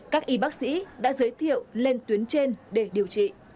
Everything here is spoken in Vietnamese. các y bác sĩ đã giới thiệu lên tuyến trên để điều trị